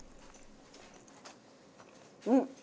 うん！